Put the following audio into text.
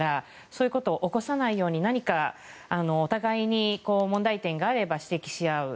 そういうことを起こさないように何かお互いに問題点があれば指摘し合う。